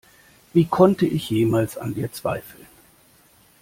Wie konnte ich jemals an dir zweifeln?